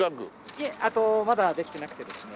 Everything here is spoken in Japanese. いえまだできていなくてですね